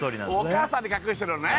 お母さんに隠してるのね